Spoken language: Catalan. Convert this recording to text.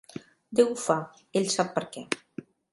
Déu ho fa, ell sap per què.